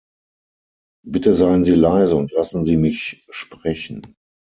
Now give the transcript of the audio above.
Bitte seien Sie leise und lassen Sie mich sprechen!